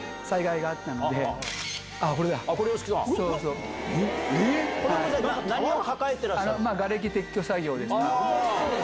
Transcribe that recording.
がれき撤去作業ですね。